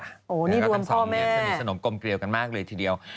โหนี่รวมพ่อแม่กับทั้ง๒นี้สนุมกลมเกรียวกันมากเลยทีเดียว